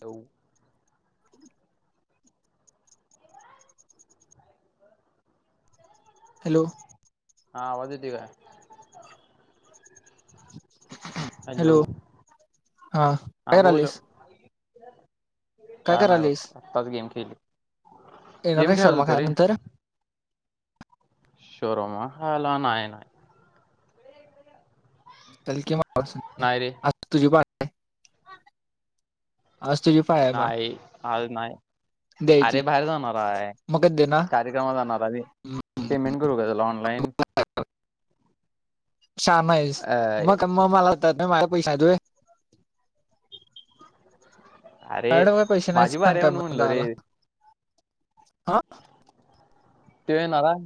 तऊ ह हॅलो हा आवाज येती का? हॅलो हा हा बोल आलीस? का नाही करालीस बघ आत्ताच गेम खेळली येणार गेम आहे खेळत शर्मा होतो खाया रे नंतर शोरमा हाला ना आहे ना आहे. चलकी नाहीय रे आ तुझी बारी आहे. आज तुझी पा नाही आज नाही द्यायची अरे बाहेर जाणार आहे मग कधी का देणार कार्यक्रमात जाणार आम्ही पेमेंट करू घ तला ऑनलाइन छान आहेस अ मग मग मला होतात म माझ पैश तय अरे मॅडम का पैसे नाही माझी सांग बारी आहे काय म्हणून म्हणलं रे म्हला हा ते येणार आहे.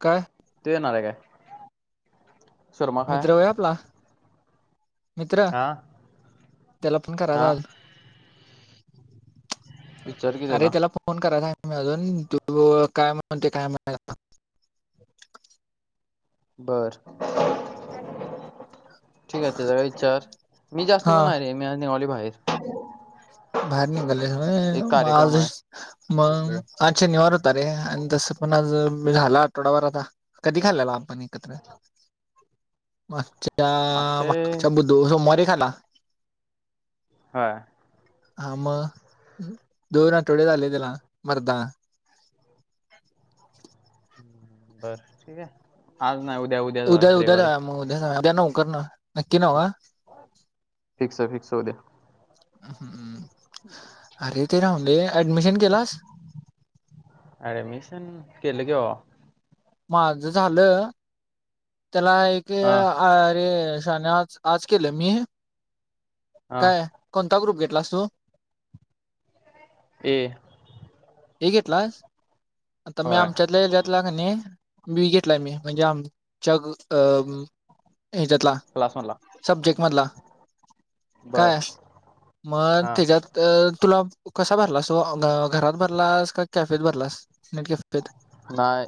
काय तू येणार आहे काय? शोरमा खाय मित्र होय आपला मित्र हा त्याला पण करा हा जाल? विचार की अरे त्याला फोन करायचा मी अजून तू काय म्हणते काय म्हणा बर ठीक त्याला विचार मी जास्त हा कोण आहे रे. मी आज निघली बाहेर. भारी नि गले एक मा कार्यक्रम आहे म तिकडे अच् शनिवार होता रे आणि तसं पण आज मी झाला आठवडाभर आता कधी खालेला आ पण एकत्र माग मागचे मागच्या बुध सोमवारीे खाला ह आ म दोन आठवडे झाले त्याला मरदा बर ठीक आहे आज नाही उद्या उद्या उद्या उद्या जा मग उद्या जा उद्या न उकर ना नक्की नव फिकस आहे फिकस उद्या हम् अरे ते राहून दे ऍडमिशन केलास. रॲडमिशन केले कि भावा माझं झालं त्याला एक हा अ अरे शन आज केलं मी. हा काय कोणता ग्रुप घेतलास तू. ए ए घेतलास आता मी होय आमच्यातल्या याच्यात घेतला का नाही मी घेत म्हणजे आमच्या अ हच्यातला. क्लास मधला. सबजेक्ट मधला. बर काय मग हा त्याच्यात तर तुला कसा भरलास तो घरात भरलास का कॅफेत भरलास नेट कॅफेत नाही.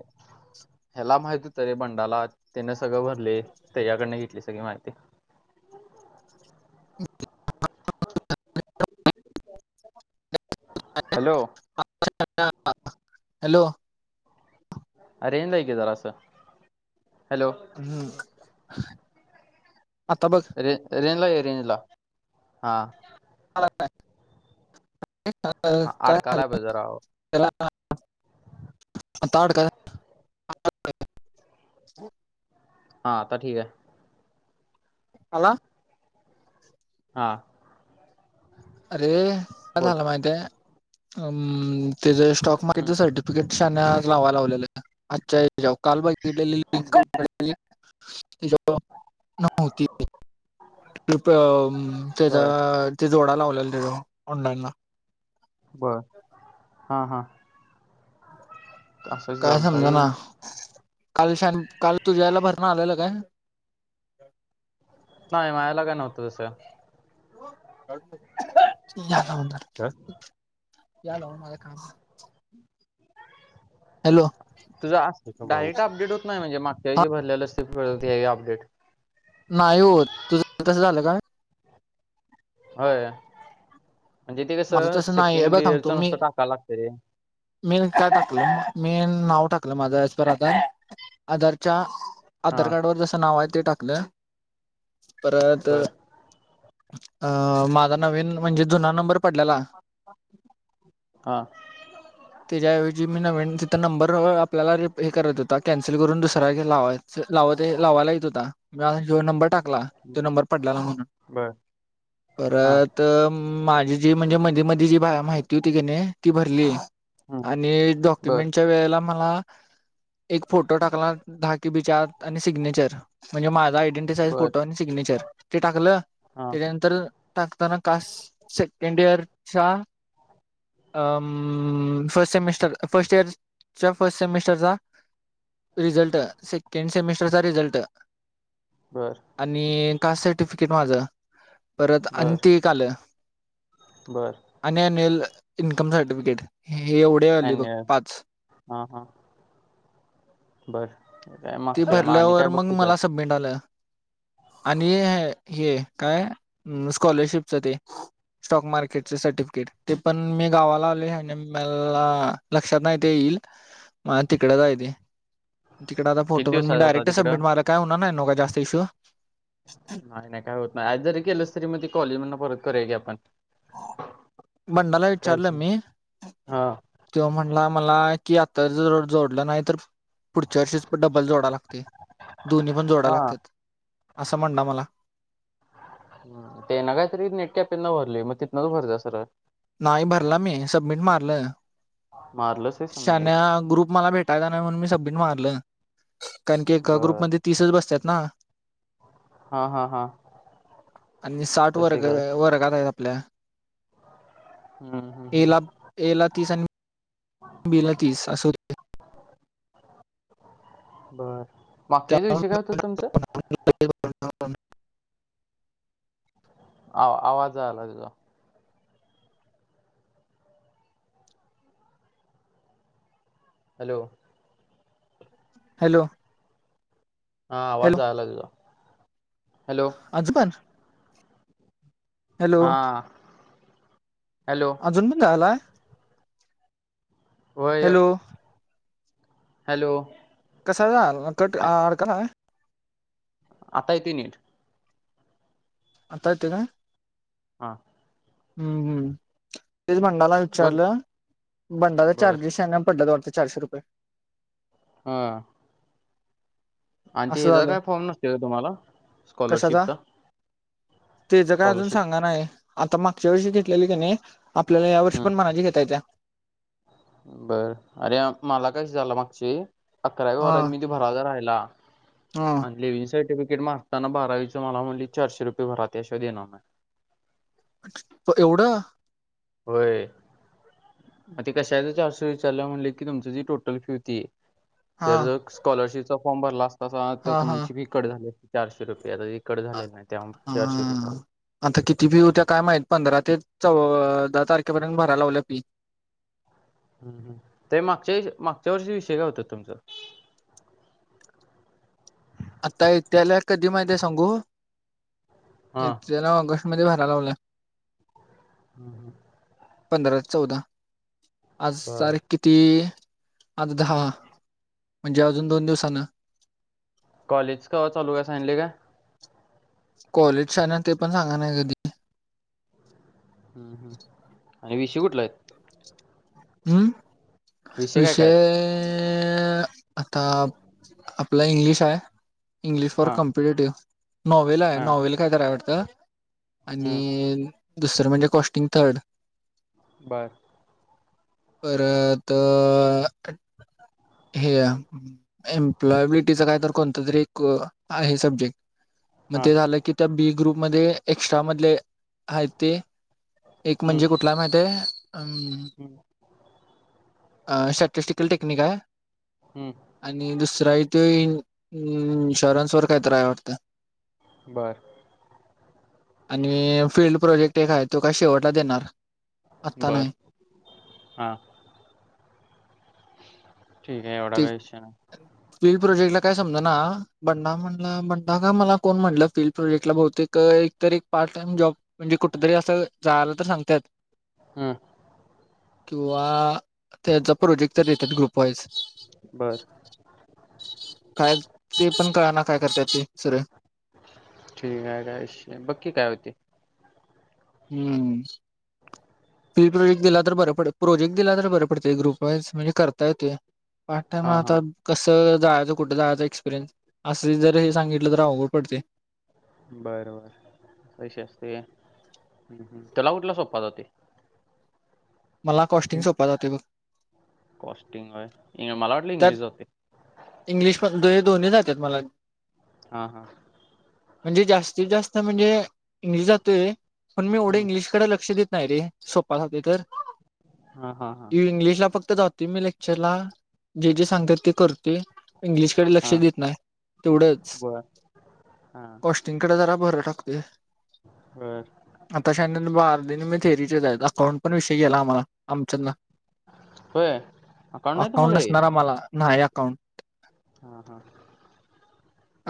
ह्याला माहिती होत रे बंडाला त्याने सगळं भरले त्याच्या कडन घेतली सगळी माहिती. [unintelligible] हॅलो. [unintelligible] हॅलो. अ रेंज ला येकी जरास हॅलो. हम्म आता बघ. रे-रेनला ये रेनला हां. [unintelligible] हा काय अडका लागज राव. [unintelligible] आता आड काय हा आता ठीक आहे. आला? हा. अरे काय झालं माहित आहे अम त्याचा स्टॉक हम्म, मार्केटसाठी [unintelligible] लावायला लावलेलं आजच्या जाव काल बघितलेली लिंक [unintelligible] तिज [unintelligible] त्याचा बर ते जोडा लाव ल्याल दिजो ऑनलाइन ला. बर हा हा. काय समज रे ना. [inaudible] काल शॅण काल तुझ्याला भरण आलेलं काय? [unintelligible] मारला का नव्हतं असं. [unintelligible] हॅलो. तुझं त्याचा डायेट माणूस अपडेट होत नाही म्हणजे मागच्या जे भरलेलं असते अपडेट नाही होत तुझं तसं झालं काय. होय म्हणजे ते कस माझं तसं नाही सेकेंड इयरच नुसतं टाकायला लागतं ते. मीन काय टाकलं मीन नाव टाकलं माझ एस पर आता आधरच्या आधार हां कार्ड वर जसं नाव आहे ते टाकल परत बर अ माझा नवीन म्हणजे जुना नंबर पडलेला हा. [inaudible] त्याच्याऐवजी मी नवीन तिथं नंबर आपल्याला हे करत होता कॅन्सल करून दुसरा घे लावाय स लावत- लावायला येत होता मी असा जिओ नंबर टाक टाकला तो नंबर पडला ना म्हणून बर हां परत माझी जी म्हणजे मध्ये मध्ये जी माहिती होती कने ती भरली. हं, आणि बर डॉक्युमेंटच्या वेळेला मला एक फोटो टाकला दहा कि बी च्या आत आणि सिग्नेचर म्हणजे माझा आय डी साईझ बर फोटो आणि सिग्नेचर ते टाकलं हां त्याच्यानंतर टाकताना कास्ट स सेकंडिअरच्या फस्ट सेमिस्टर फस्ट इयरच्या फस्ट सेमिस्टरचा रिझल्ट सेकंड सेमिस्टर चा रिझल्ट बर. आणि कास्ट सर्टिफिकेट माझं परत अ ते एक आलं. बरं. आणि अन्युअल इन्कम सर्टिफिकेट हे एवढ. पुडे अली बग अन्युअल पाच हां हां बर काय ते मागचे मग आणि भरल्यावर काय मग बघते त्यात मला सबमिट आलं. आणि ह हे काय स्कॉलरशिपच ते स्टॉक मार्केटचे सर्टिफिकेट ते पण मी गावाला आले आणि मला लक्षात नाही ते येईल. [inaudible] मझ तिकडेच आहे ते तिकडे आता किती फोटो पण मी दिवसाचा होता डायरेक्ट तिकडं सबमिट मार काय होणार नाही न का जास्त इश्यू नाही नाही काय होत नाही आज जरी केलंस तरी मग ती कॉलेज म्ह परत करराय की आपण बनणाला काय विचारलं विषय नाही. मी हां तेव्हा म्हणला मला की आता जर जोडलं नाही तर पुढच्या वर्षीच पण डबल जोडा लागते दोन्ही पण जोडा हां लागतात असं म्हणणा मला ते ना काहीतरी नेट कॅपना भरलेय मग तिथनच भर जा सर नाही भरला मी सबमिट मारलं. मारलस. शन ग्रुप मला भेटायचा नाही म्हणून मी सबमिट मारलं. कारण की एका बर ग्रुपमध्ये तीसच बसतात ना. हा हा हा आणि साठ वर्ग शशिकला वर्गात आहेत आपल्या हम्म हम्म हम्म. एला तीस आणि बिला तीस अस होत. बरं मागच्या दि त्यामध्ये दिवशी काय होतं तुमचं? आ आवाज आला तुझा? हॅलो. हॅलो. हा हॅलो आवाज आयला तुझा हॅलो. अजबन. हा हॅलो. जुून पण झालाय. वय हॅलो हॅलो. कसा झा कट आ- अडकला. आता येते नीट. आता येते काय? हां. हम्म हम्म. तेच बंडाला बर विचारलं बंडाचा बर चार्जेस पडला द वाडते चारशे रुपये हा. आणि ते असं ह्याचा झालं काय फॉर्म नसते का तुम्हाला स्कॉलरशिपचा ते ज काय अजून स्कॉलरशिप सांगा नाही आता मागच्या वर्षी घेतलेली कने आपल्याला या वर्षी पण मारजी घेता येत्या. बर अरे मला कशी झालं मागचे अकराव्या वरात मी बरा राहिला. हम. आणि लिव्हंग सर्टिफिकेट मारताना बारावीचं मला म्हटलं चारशे रुपये भरात अशा देणार नाही. पणं एवढं होयं ते कशांच चारशे विचारलां म्हणले की तुमचं जी टोटलं फी होती आहे हा तरं काॅलरशिपचां फॉर्म भरलां असतां तसं आतां हा हा तुंमची बिकटं झाली चारशे रुपये आतां बिकटं झाले नाहीं आहे त्यां चारशे रुपये आतां किती फी होत्यां कायं माहीत पंधरा ते चौदा तांरखेपर्यंत भरायं लावल्यां फी हं ते मागच्यां मागच्यां वर्षी विषयं कायं होतं तुमचं हम [unintelligible] आतां येत्यांला कधीं माहिती आहे सांगू हा. येत्यांला ऑगस्ट मध्यें भरायलां लावल्यां हम्मं हम्मं हम्म पंधरां चौदां आंज बर. तांरीख किती आंठ दहा म्हणजे अजूंन दोन दिवसांन कॉलेज केव्हां चालूं होईल सांगले कां कॉलेजचां आहे नां ते पणं सांगा नां कधीं हम्मं आणि विषू ऊठलां आहेतं हम्मं विषय काय काय आहेत? विषयं आतां आपल्यां इंग्लिश आहे इंग्लिश फॉर हां कॉम्पिटटिव्हं नॉवल आहे हां नॉवल कायं करां वाटंत आणि हं दुसरं म्हणजे कॉस्टिंग थर्ड बरं परंत तं हे आं एम्प्लॉयबिलिटीचां कायं तरं कोणतं तरी एक आहे सब्जेक्टं मंग हां ते झालं की त्यां बी ग्रुपमंध्यें ले एक्स्ट्रां मंधले आहेतं ते एक हं म्हणजे कुंठलां माहिती आहे हं अं स्टॅटिस्टिंकलं टेक्निंक आहे हम्मं आणि दुसरा आहे तो इन्शुरन्स वरं कांहीतरी आहे वाटतं बरं आणि फिंल्ड प्रोजेक्टं एक आहे तो कां शेवटलां देणारं बरं हां ठीकं आहे एवढां कांहीं इच्शा नाहीं टिप्ही प्रोजेक्टं लां कायं समजे नां बंडा म्हणलां बंडा कां मलां कोणं म्हटलं फिल्ड प्रोजेक्टलां बहुतेक एकतरं एक पार्ट टाईम जॉब म्हणजे कुठं तरी असं झालं तरं सांगत्यां हेतं हम्मं किंवा त्यांचा प्रोजेक्टं तरं येतं ग्रुपवांइसं बर कायं ते पणं कळं नां कायं करतां ते सर ठीकं आहे कायं इश्यू बक्की कायं होते हम्मं फिल प्रोजेक्टं दिलां तरं बरे पडते प्रोजेक्टं दिेलां तरं बरे पडते ग्रुप वांईज म्हणजे बरंपडते पांच टांईम हां आतां हां कसं जायचं कुठं जायचं एक्सपिरियन्स असं जरं हे सांगितलं तरं अवघंड पडते बरं बरं कशी असतें त्यांला कुंठलां सोप्पा जांते मलां कॉस्टिंग इं- सोपां जांते बघं कॉस्टिंग मलां वांटते त्यात इंग्लिश जाते इंग्लिश कसं जाईल दोन्ही जांते मलां हां हां म्हणजे जांस्तीत जास्तं म्हणजे इंग्लिश जांतोय पण मी एवढे हम्म. इंग्लिशकडे लक्ष देत नाही रे स्वपासाठी तर हां हां हां इंग्लिश ला फक्त जात मी लेक्चर ला जे जे सांगतात ते करते इंग्लिशकडे लक्ष हां देत नाही तेवढंच बर हां कॉस्टिंगकडे जरा भर टाकतेय ह आताशानर बार दि मी थेरीचे आहेत अकाउंट पण विषय गेला आम्हाला आमच्यांदना होय. नाही अकाउंट तुम्हाला हे नसणांर आ मलां नाहीं अकाउंट हां हां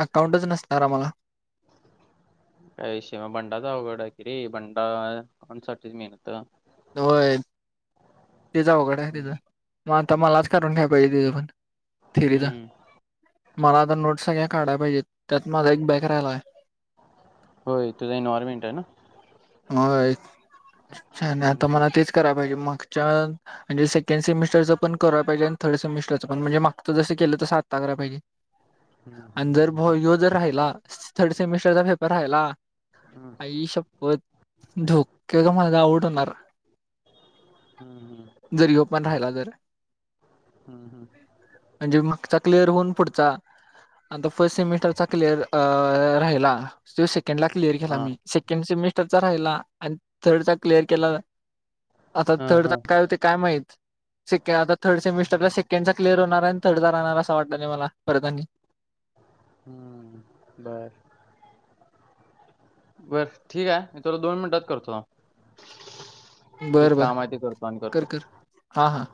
अकाउंटचं नसणांर आं म्हांला काही विषय मग भंडाचावघडा किरी बंडासाठीच मेहनत. होय तेचावघड आहे तिचं. हम्म. म तमलालाचकारून ठ्या प दो पण त रत हम्म. मला आता नोट सगळ्या काढाला पाहिजेत त्यात माझा एक बॅक राहिला आहे होय तझ इन्वयरमेंट आहे ना होच्छ आणि हम्म, आता हम्म. मला तेच कराय पाहिजे मागच्या म्हणे सेकंड सेमिस्रं पण करांहिे आणि थर्ड सेमिस्रं पणजे माग जसं केलं तर साता करायहिजे हम्म, आणि जर हम्म, भा हम्म, यो जर राहिला थर्ड सेमिस्टरचा पेपर राहिला हम्म. आई शप्पथ धोके का माझ आवठ होणार. हम्म हम्म जरी पण राहिला ज हम्म हम्म म्हणजे मागचा क्लिअर होऊन पुढचा. आणिता फर्स्ट सेमिस्टरचा क्लिअर राहिला तो सेकंड ला क्लिअर केला हां मी केम सेमिस्टर चा राहिला आणि थर्ड चा क्लिअर केला. आता हां थड हां काय होते काय माहीत सेक आता थर्ड सेमिस्टरला सेकंड चा क्लियर होणार आणि थर्डचा राहणार असा वाटालय मला परत आणि. हम्म बर बर ठीक आहे मी तुला दोन मिनिटात करतो ते बरं बरं काम आहे ते करतो आणि कर करतो कर हा हा